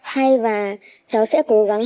hay và cháu sẽ cố gắng